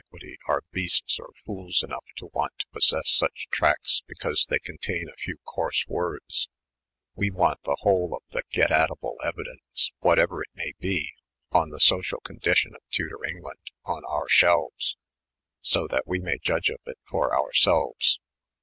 sntiqoity are beasts or fools enough to want to possess such tracts because they contain a few coarse words; we want the whole of the getatable evidence, whatever it may be, on the social condition of Tudor England, on oar shelves, so that we may judge of it for ourselves.